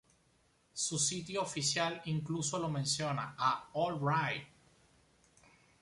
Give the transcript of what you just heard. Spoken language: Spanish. Su sitio oficial incluso lo menciona, a "Alright!